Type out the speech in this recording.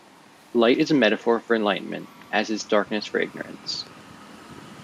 Light is a metaphor for enlightenment as is darkness for ignorance.